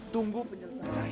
tunggu penyelesaian saya